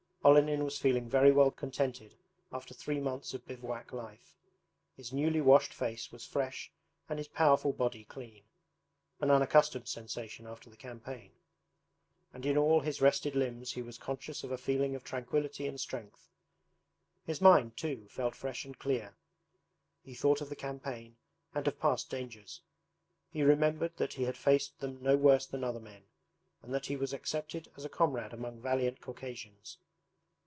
Olenin was feeling very well contented after three months of bivouac life. His newly washed face was fresh and his powerful body clean (an unaccustomed sensation after the campaign) and in all his rested limbs he was conscious of a feeling of tranquillity and strength. His mind, too, felt fresh and clear. He thought of the campaign and of past dangers. He remembered that he had faced them no worse than other men, and that he was accepted as a comrade among valiant Caucasians.